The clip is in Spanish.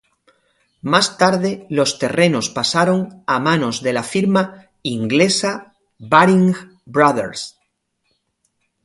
Más tarde, los terrenos pasaron a manos de la firma inglesa Baring Brothers.